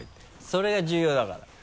それが重要だから。